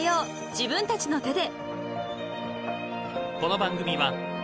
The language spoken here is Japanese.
自分たちの手で］